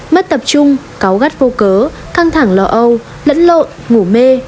mất tập trung cáo gắt vô cớ căng thẳng lò âu lẫn lộn ngủ mê